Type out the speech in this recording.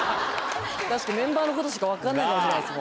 確かにメンバーのことしか分からないかもしれないです。